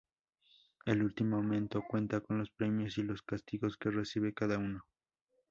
El último momento cuenta los premios y los castigos que recibe cada uno.